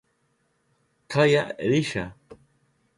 Kaya risha.